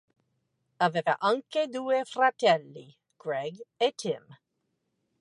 Aveva anche due fratelli, Greg e Tim.